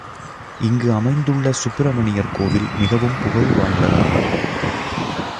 இங்கு அமைந்துள்ள சுப்பிரமணியர் கோவில் மிகவும் புகழ் வாய்ந்ததாகும்.